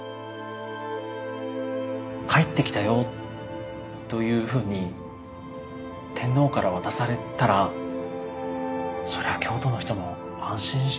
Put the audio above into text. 「帰ってきたよ」というふうに天皇から渡されたらそりゃあ京都の人も安心したでしょうね。